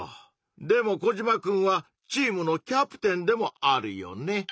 でもコジマくんはチームの「キャプテン」でもあるよね？